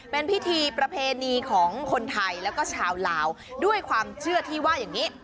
เป็นพิธีประเพณีของคนไทยแล้วก็ชาวลาวด้วยความเชื่อที่ว่าอย่างนี้